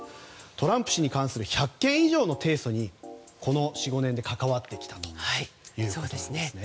トランプ氏に関する１００件以上の提訴にこの４５年で関わってきたということですね。